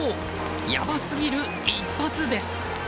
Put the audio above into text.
やばすぎる一発です！